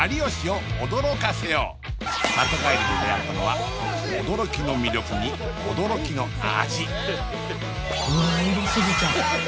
里帰りで出会ったのは驚きの魅力に驚きの味